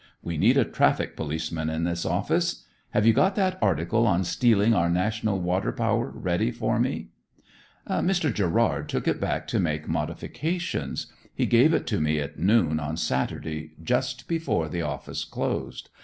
We need a traffic policeman in this office. Have you got that article on 'Stealing Our National Water Power' ready for me?" "Mr. Gerrard took it back to make modifications. He gave it to me at noon on Saturday, just before the office closed.